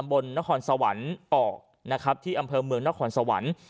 นครสวรรค์ออกนะครับที่อำเภอเมืองนครสวรรค์